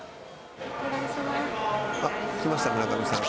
あっ来ました村上さん。